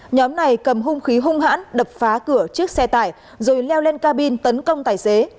nhóm này cầm hung khí hung hãn đập phá cửa chiếc xe tải rồi leo lên cabin tấn công tài xế